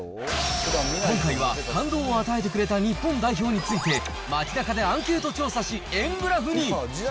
今回は感動を与えてくれた日本代表について、街なかでアンケート調査し、円グラフに。